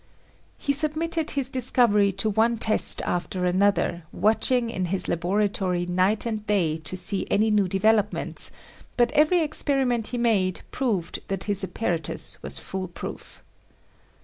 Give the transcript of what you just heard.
He submitted his discovery to one test after another, watching in his laboratory night and day to see any new developments, but every ex periment he made proved that his apparatus was fool proof.